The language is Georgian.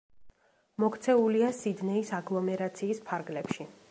მოქცეულია სიდნეის აგლომერაციის ფარგლებში.